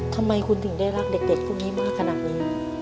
ทำไมคุณถึงได้รักเด็กพวกนี้มากขนาดนี้